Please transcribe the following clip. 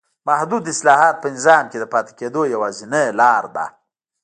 محدود اصلاحات په نظام کې د پاتې کېدو یوازینۍ لار ده.